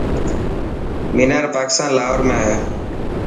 مينار پاڪستان لاهور ۾ هي.